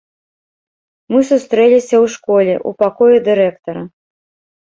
Мы сустрэліся ў школе, у пакоі дырэктара.